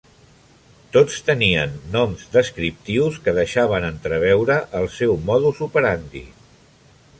Tots tenien noms descriptius que deixaven entreveure el seu modus operandi.